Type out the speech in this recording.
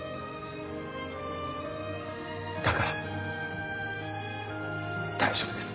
だから大丈夫です。